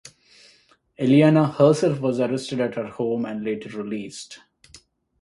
Eliana herself was arrested at her home and later released.